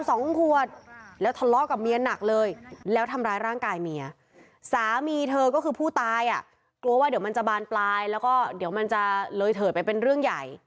สามีเธอก็คือผู้ตายอ่ะกลัวว่าเดี๋ยวมันจะบานปลายแล้วก็เดี๋ยวมันจะเลยเถิดไปเป็นเรื่องใหญ่